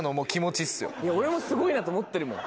いや俺もすごいなと思ってるもん。